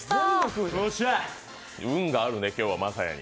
運があるね、今日は晶哉に。